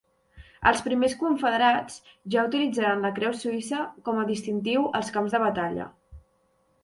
Els primers confederats ja utilitzaren la creu suïssa com a distintiu als camps de batalla.